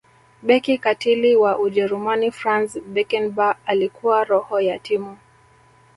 beki katili wa ujerumani franz beckenbauer alikuwa roho ya timu